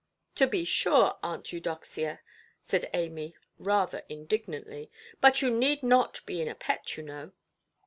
"To be sure, Aunt Eudoxia", said Amy, rather indignantly; "but you need not be in a pet, you know".